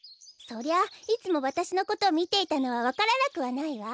そりゃいつもわたしのことをみていたのはわからなくはないわ。